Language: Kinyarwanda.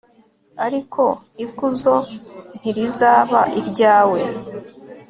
ariko ikuzo ntirizaba iryawe